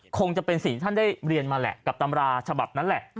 คงจะเป็นสิ่งที่ท่านได้เรียนมาแหละกับตำราฉบับนั้นแหละ